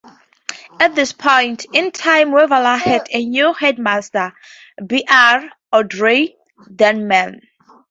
At this point in time Waverley had a new headmaster, Br Andrew Denman.